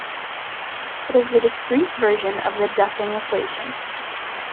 It is a discrete version of the Duffing equation.